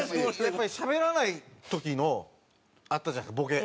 やっぱりしゃべらない時のあったじゃないですかボケ。